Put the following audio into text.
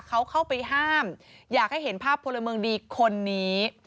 เขาเข้าไปห้ามอยากให้เห็นภาพพลเมืองดีคนนี้